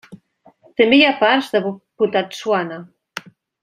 També hi havia parts de Bophuthatswana.